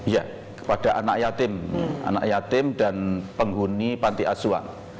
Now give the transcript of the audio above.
ya kepada anak yatim dan penghuni panti aswan